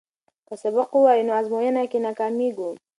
که سبق ووایو نو ازموینه کې نه ناکامیږو.